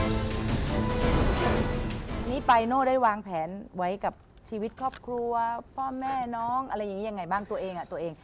นี่ปายโน่ได้วางแผนไว้กับชีวิตครอบครัวพ่อแม่น้องอะไรอย่างนี้ยังไงบ้างตัวเองตัวเอง